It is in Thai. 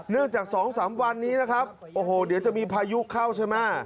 เนื่องจากสองสามวันนี้นะครับโอ้โหเดี๋ยวจะมีพายุเข้าใช่ไหม